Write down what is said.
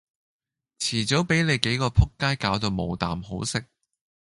遲早比你幾個仆街攪到冇啖好食